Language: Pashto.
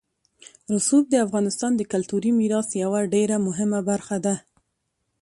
رسوب د افغانستان د کلتوري میراث یوه ډېره مهمه برخه ده.